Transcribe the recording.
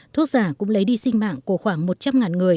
thuốc giả cũng lấy đi sinh mạng của khoảng một trăm linh người